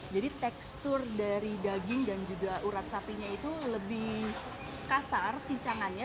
jadi tekstur dari daging dan juga urat sapinya itu lebih kasar cincangannya